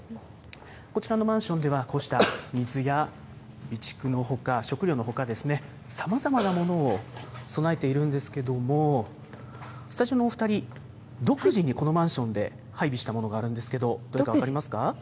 こちらのマンションでは、こうした水や備蓄のほか、食料のほか、さまざまなものを備えているんですけども、スタジオのお２人、独自にこのマンションで配備したものがあるんですけど、どれか分かりますが。